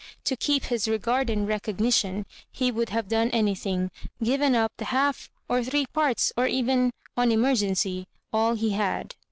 To keep its regard and recognition he would have done any thing, given up the half or three parts, or even, on emergency, all he had.